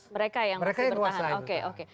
mereka yang menguasainya